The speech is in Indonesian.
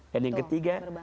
dan yang ketiga